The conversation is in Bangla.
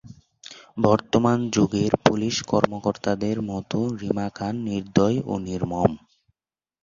বর্তমান যুগের পুলিশ কর্মকর্তাদের মতো রিমা খান নির্দয় ও নির্মম।